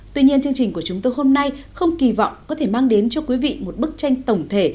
tuy nhiên chương trình của chúng tôi hôm nay không kỳ vọng có thể mang đến cho quý vị một bức tranh tổng thể